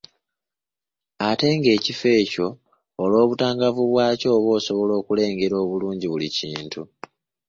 Ate ng’ekifo ekyo olw’obutangaavu bwakyo oba osobola okulengera bulungi buli kintu.